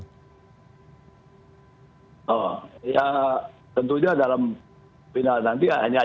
oh ya tentunya dalam hal ini kita harus berharap